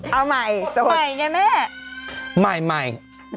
เอาใหม่สวยใหม่ไงแม่ใหม่ใหม่